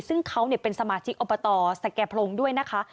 ซึ่งเขาเป็นสมาชิกอบตสแก่พรงด้วยนะคะ